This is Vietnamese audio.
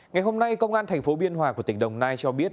ngày hôm nay công an thành phố biên hòa của tỉnh đồng nai cho biết